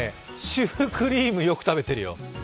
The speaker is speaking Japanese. シュークリームよく食べてるよ。